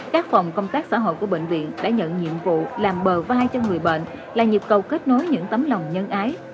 các phòng công tác xã hội của bệnh viện đã nhận nhiệm vụ làm bờ vai cho người bệnh là nhịp cầu kết nối những tấm lòng nhân ái